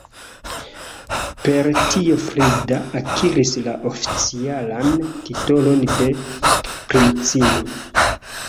Per tio Frida akiris la oficialan titolon de princino.